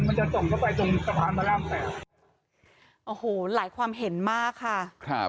มันจะตรงเข้าไปตรงสว่างมาร่ามแสงโอ้โหหลายความเห็นมากค่ะครับ